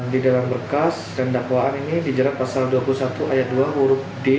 di dalam berkas dan dakwaan ini dijerat pasal dua puluh satu ayat dua huruf d